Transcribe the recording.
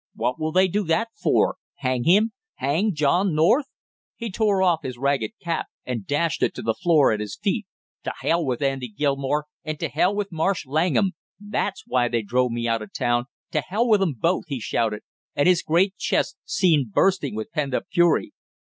"What will they do that for hang him hang John North!" He tore off his ragged cap and dashed it to the floor at his feet. "To hell with Andy Gilmore and to hell with Marsh Langham that's why they drove me out of town to hell with 'em both!" he shouted, and his great chest seemed bursting with pent up fury.